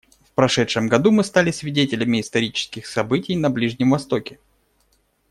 В прошедшем году мы стали свидетелями исторических событий на Ближнем Востоке.